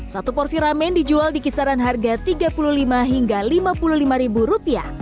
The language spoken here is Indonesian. satu porsi ramen dijual di kisaran harga rp tiga puluh lima hingga rp lima puluh lima